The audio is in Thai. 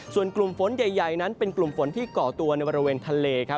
ส่วนกลุ่มฝนใหญ่นั้นเป็นกลุ่มฝนที่เกาะตัวในบริเวณทะเล